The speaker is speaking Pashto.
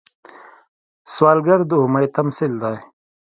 سوالګر د امید تمثیل دی